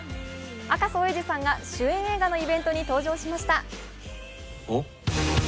赤楚衛二さんが主演映画のイベントに登場しました。